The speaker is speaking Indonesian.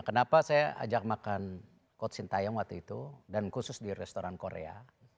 kenapa saya ajak makan coach sintayong waktu itu dan khusus di restoran korea